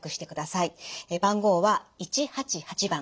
番号は「１８８」番。